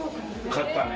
買ったね。